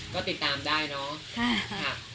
ก็ติดตามได้เนาะ